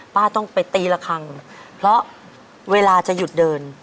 ป้าต้องไปตีละครั้งเพราะเวลาจะหยุดเดิน